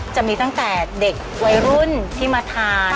จะมีตั้งแต่เด็กวัยรุ่นที่มาทาน